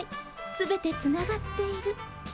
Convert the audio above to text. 全てつながっている。